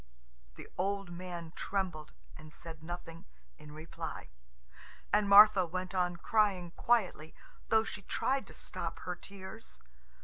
The old man trembled, and said nothing in reply. And Martha went on crying quietly, though she tried to stop her tears.